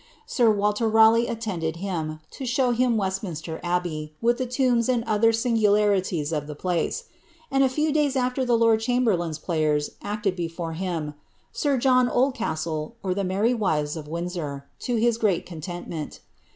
Sir Walter Raleigh attended him, to show him Westminster Abbey, with the tombs and ^ other sin gnluities of the place," and a few days aAer the lord chamberhdn's pbyen acted before him ^ Sir John Oldcastle, or the Merry Wives of Windsor," to his great contentment.'